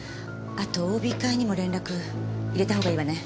あとＯＢ会にも連絡入れたほうがいいわね。